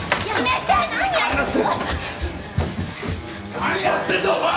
何やってんだお前！